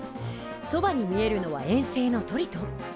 そばに見えるのは衛星のトリトン。